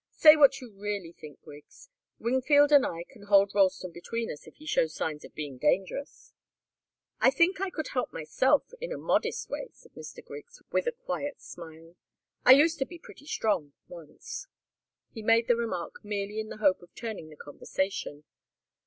Say what you really think, Griggs. Wingfield and I can hold Ralston between us if he shows signs of being dangerous." "I think I could help myself, in a modest way," said Mr. Griggs, with a quiet smile. "I used to be pretty strong once." He made the remark merely in the hope of turning the conversation.